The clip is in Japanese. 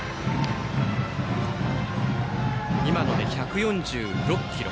今ので１４６キロ。